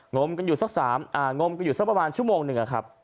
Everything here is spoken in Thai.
งมกันอยู่สักสามงมกันอยู่สักประมาณชั่วโมงหนึ่งครับ